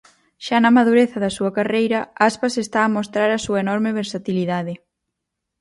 Xa na madureza da súa carreira, Aspas está a mostrar a súa enorme versatilidade.